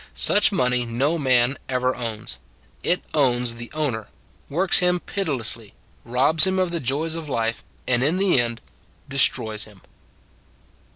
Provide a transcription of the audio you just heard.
Such money no man ever owns: it owns the owner, works him pitilessly, robs him of the joys of life, and in the end destroys him.